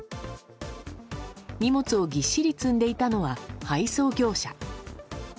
荷物をぎっしり積んでいたのは配送業者。